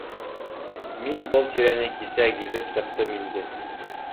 — Мин был тирәне кисә гиҙеп сыҡтым инде